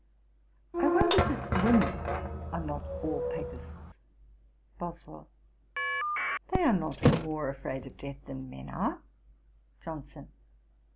I wonder that women are not all Papists.' BOSWELL. 'They are not more afraid of death than men are.' JOHNSON.